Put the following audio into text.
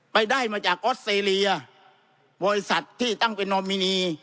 ได้มาจากออสเตรเลียบริษัทที่ตั้งเป็นนอมินี